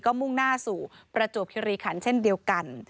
มุ่งหน้าสู่ประจวบคิริขันเช่นเดียวกัน